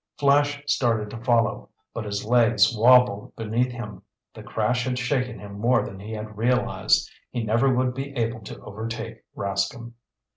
Flash started to follow, but his legs wobbled beneath him. The crash had shaken him more than he had realized. He never would be able to overtake Rascomb.